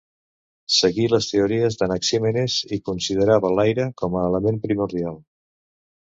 Seguí les teories d'Anaxímenes, i considerava l'aire com a element primordial.